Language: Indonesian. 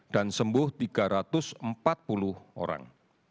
dan sembuh tiga ratus empat puluh orang